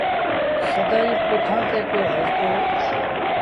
سدائيٚݩ پوٺآن تي پيو هلتو۔